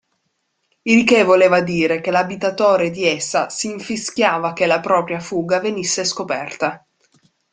Il che voleva dire che l'abitatore di essa si infischiava che la propria fuga venisse scoperta.